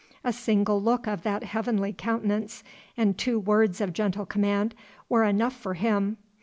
A single look of that heavenly countenance, and two words of gentle command, were enough for him.